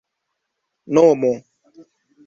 nomo